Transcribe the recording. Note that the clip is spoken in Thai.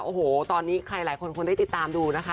โอ้โหตอนนี้ใครหลายคนควรได้ติดตามดูนะคะ